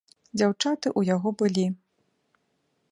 Дзяўчаты ў яго былі.